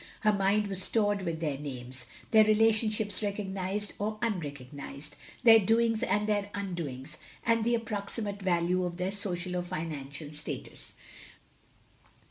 Her mind was stored with their names; their relationships recognised or unrecognised; their doings and their undoings, and the approximate value of their social or financial status.